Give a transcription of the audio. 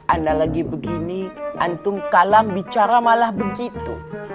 anda lagi begini antum kalam bicara malah begitu